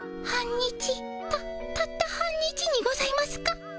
たたった半日にございますか？